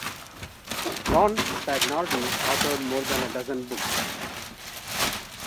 Ron Spagnardi authored more than a dozen books.